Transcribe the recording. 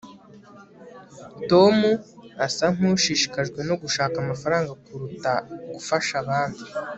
tom asa nkushishikajwe no gushaka amafaranga kuruta gufasha abandi